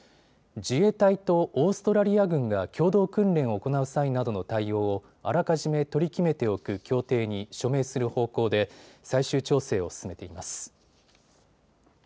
自衛隊とオーストラリア軍が共同訓練を行う際などの対応をあらかじめ取り決めておく協定に署名する方向で最終調整を進めています。